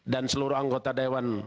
dan seluruh anggota daewan